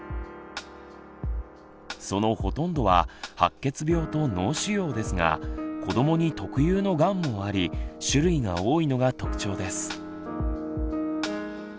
そのほとんどは白血病と脳腫瘍ですが子どもに特有のがんもあり種類が多いのが特徴です。